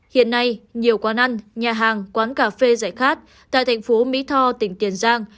hiện nay nhiều quán ăn nhà hàng quán cà phê giải khát tại thành phố mỹ tho tỉnh tiền giang